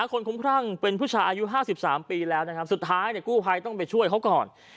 คนคุ้มครั่งเป็นผู้ชายอายุ๕๓ปีแล้วนะครับสุดท้ายกู้ภัยต้องไปช่วยเขาก่อน